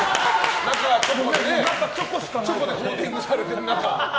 中がチョコでコーティングされてね。